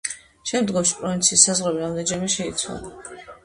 შემდგომში პროვინციის საზღვრები რამდენიმეჯერ შეიცვალა.